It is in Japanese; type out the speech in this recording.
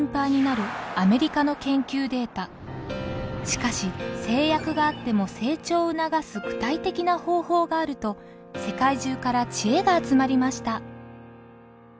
しかし制約があっても成長を促す具体的な方法があると世界中からチエが集まりました。